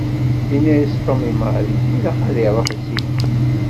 Yenna-yas Tom i Mary ilaq ad iruḥ zik.